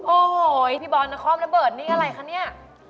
โอ้โหพี่บอลนครระเบิดนี่อะไรคะเนี่ย